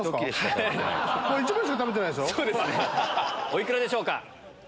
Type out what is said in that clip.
お幾らでしょうか？